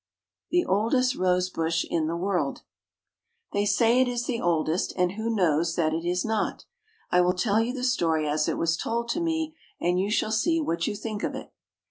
THE OLDEST ROSE BUSH IN THE WORLD. They say it is the oldest, and who knows that it is not? I will tell you the story as it was told to me, and you shall see what you think of it.